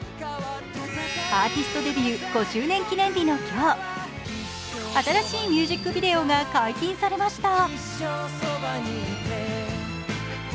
アーティストデビュー５周年記念日の今日、新しいミュージックビデオが解禁されました。